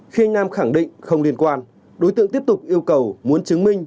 khi anh nam khẳng định không liên quan đối tượng tiếp tục yêu cầu muốn chứng minh